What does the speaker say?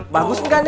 lihat dulu atukang